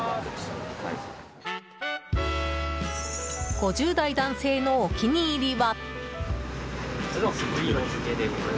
５０代男性のお気に入りは。